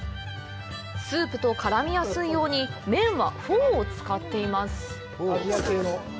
スープと絡みやすいように麺はフォーを使っています。